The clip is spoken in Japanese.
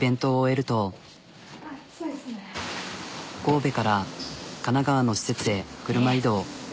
神戸から神奈川の施設へ車移動。